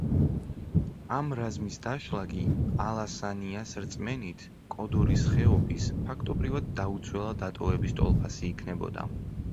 ამ რაზმის დაშლა კი, ალასანიას რწმენით, კოდორის ხეობის, ფაქტობრივად, დაუცველად დატოვების ტოლფასი იქნებოდა.